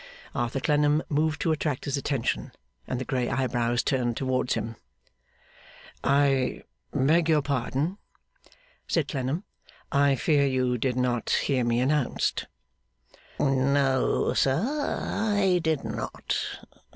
Arthur Clennam moved to attract his attention, and the grey eyebrows turned towards him. 'I beg your pardon,' said Clennam, 'I fear you did not hear me announced?' 'No, sir, I did not.